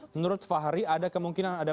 menurut fahri ada kemungkinan ada